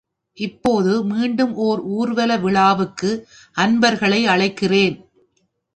இப்போது, மீண்டும் ஓர் ஊர்வல விழாவுக்கு அன்பர்களை அழைக்கிறேன்.